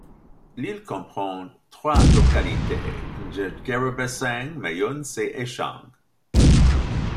L'île comprend trois localités: Ngerekebesang, Meyuns et Echang.